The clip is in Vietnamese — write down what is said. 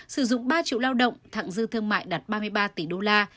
sử dụng ba triệu lao động thẳng dư thương mại đạt ba mươi ba tỷ đô la